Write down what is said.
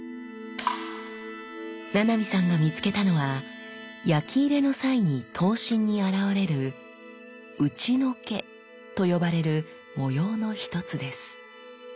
七海さんが見つけたのは焼き入れの際に刀身に現れる打除けと呼ばれる模様の一つです。